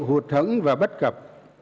hụt hẳn và bất cập